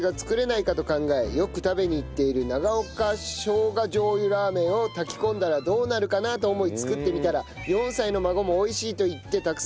よく食べに行っている長岡生姜醤油ラーメンを炊き込んだらどうなるかなと思い作ってみたら４歳の孫も美味しいと言ってたくさん食べてくれました。